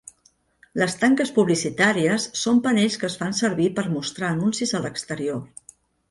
Les tanques publicitàries són panells que es fan servir per mostrar anuncis a l'exterior